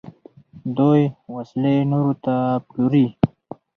دوی وسلې نورو ته پلوري.